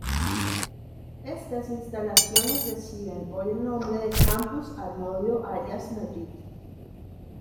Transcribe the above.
Estas instalaciones reciben hoy el nombre de Campus Harmodio Arias Madrid.